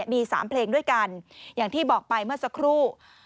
มี๓เพลงด้วยกันอย่างที่บอกไปเมื่อสักครู่